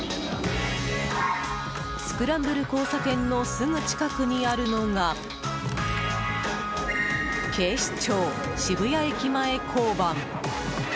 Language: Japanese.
スクランブル交差点のすぐ近くにあるのが警視庁・渋谷駅前交番。